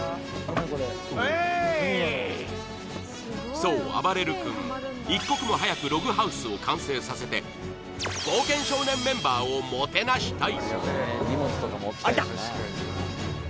そう、あばれる君、一刻も早くログハウスを完成させて「冒険少年」メンバーをもてなしたい。